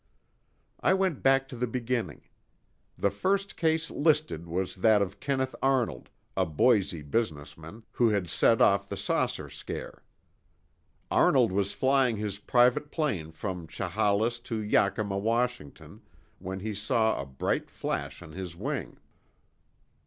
I went back to the beginning. The first case listed was that of Kenneth Arnold, a Boise businessman, who had set off the saucer scare. Arnold was flying his private plane from Chehalis to Yakima, Washington, when he saw a bright flash on his wing.